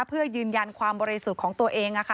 เพื่อยืนยันความบริสุทธิ์ของตัวเอง